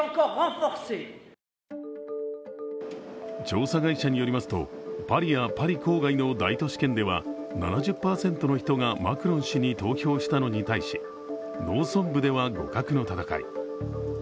調査会社によりますとパリやパリ郊外の大都市圏では７０％の人がマクロン氏に投票したのに対し農村部では互角の戦い。